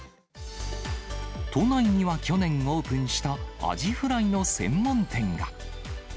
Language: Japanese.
都内には去年オープンしたアジフライの専門店が。